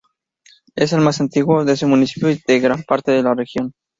Es el más antiguo de ese municipio y de gran parte de la región.